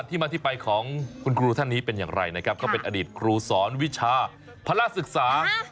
ที่มาที่ไปของคุณครูท่านนี้เป็นอย่างไรนะครับก็เป็นอดีตครูสอนวิชาพระราชศึกษา